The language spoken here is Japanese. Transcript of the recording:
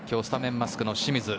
スタメンマスクの清水。